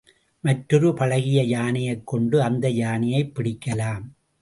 மற்றொரு பழகிய யானையைக் கொண்டு அந்த யானையைப் பிடிக்கலாம்.